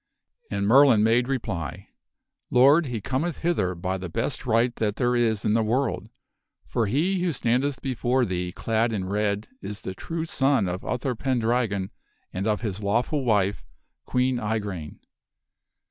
And Merlin made eiaiwth the reply, " Lord, he cometh hither by the best right that there is * n world ; for he who stand eth before thee clad in red is the true son of Uther Pendragon and of his lawful wife, Queen Igraine."